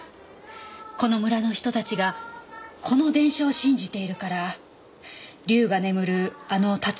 この村の人たちがこの伝承を信じているから竜が眠るあの竜追